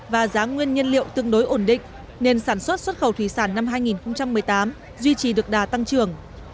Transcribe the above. và giá nguyên nhân liệu tương đối ổn định nên sản xuất xuất khẩu thủy sản năm hai nghìn một mươi tám duy trì được đà tăng trưởng